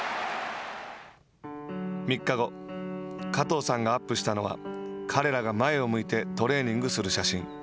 ３日後、加藤さんがアップしたのは彼らが前を向いてトレーニングする写真。